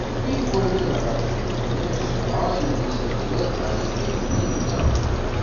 Mi iwala lɣaci, Yasuɛ yuli s adrar dɣa yeqqim dinna.